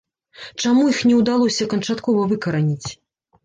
Чаму іх не ўдалося канчаткова выкараніць?